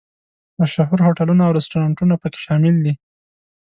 مشهور هوټلونه او رسټورانټونه په کې شامل دي.